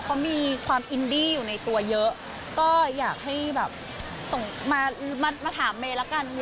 ทำไมถึงแท็กไปหาเบน